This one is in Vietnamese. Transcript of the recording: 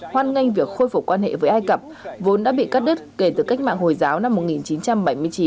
hoan nghênh việc khôi phục quan hệ với ai cập vốn đã bị cắt đứt kể từ cách mạng hồi giáo năm một nghìn chín trăm bảy mươi chín